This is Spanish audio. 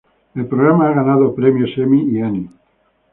El programa ha ganado premios Emmy y Annie.